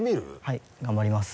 はい頑張ります。